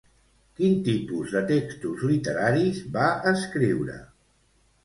Quin tipus de textos literaris va escriure?